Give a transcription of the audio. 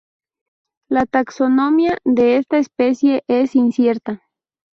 La taxonomía de esta especie es incierta.